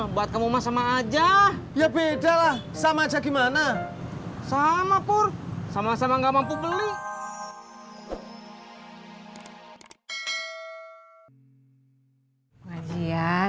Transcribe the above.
makasih yoyan surti